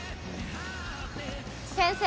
先生。